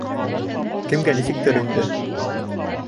Кемгә нисектер инде...